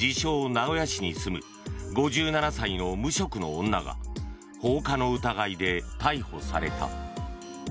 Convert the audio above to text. ・名古屋市に住む５７歳の無職の女が放火の疑いで逮捕された。